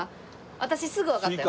私すぐわかったよ。